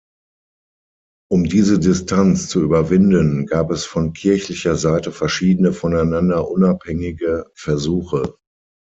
Um diese Distanz zu überwinden, gab es von kirchlicher Seite verschiedene, voneinander unabhängige Versuche.